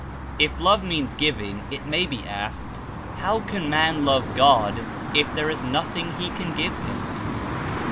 If love means giving, it may be asked, how can man love God if there is nothing he can give him?